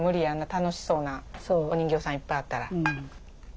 あんな楽しそうなお人形さんいっぱいあったら。